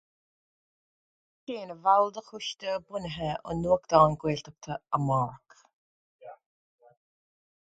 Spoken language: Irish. Bhí sé ina bhall de choiste bunaithe an nuachtáin Gaeltachta Amárach.